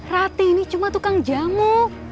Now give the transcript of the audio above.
rati ini cuma tukang jamu